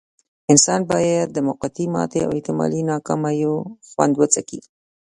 انسان بايد د موقتې ماتې او احتمالي ناکاميو خوند وڅکي.